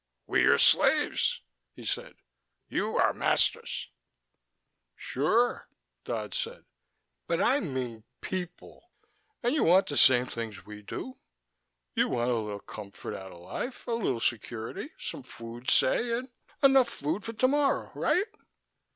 "We are slaves," he said. "You are masters." "Sure," Dodd said. "But I mean people. And you want the same things we do. You want a little comfort out of life, a little security some food, say, and enough food for tomorrow. Right?"